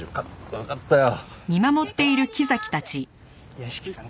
屋敷さん